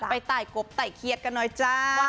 ไต่กบไต่เครียดกันหน่อยจ้า